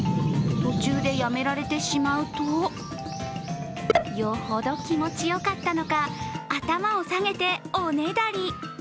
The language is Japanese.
途中でやめられてしまうとよほど気持ちよかったのか、頭を下げて、おねだり。